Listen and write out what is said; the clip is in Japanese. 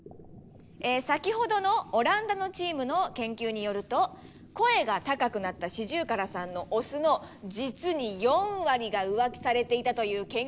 先ほどのオランダのチームの研究によると声が高くなったシジュウカラさんのオスの実に４割が浮気されていたという研究結果があります！